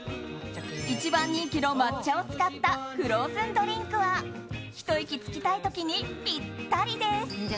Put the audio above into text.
１番人気の抹茶を使ったフローズンドリンクはひと息つきたい時にぴったりです。